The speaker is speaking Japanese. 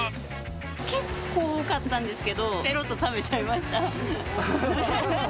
結構、多かったんですけど、ぺろっと食べちゃいました。